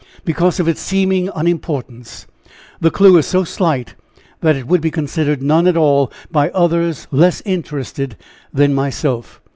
"Because of its seeming unimportance. The clue is so slight, that it would be considered none at all, by others less interested than myself."